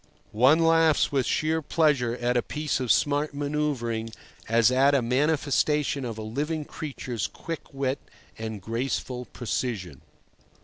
One laughs with sheer pleasure at a smart piece of manoeuvring, as at a manifestation of a living creature's quick wit and graceful precision.